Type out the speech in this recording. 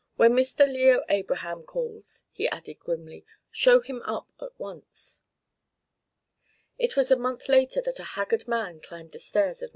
"When Mr. Leo Abraham calls," he added grimly, "show him up at once." It was a month later that a haggard man climbed the stairs of No.